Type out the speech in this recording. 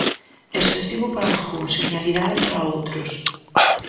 Excesivo para algúns, xenialidade para outros.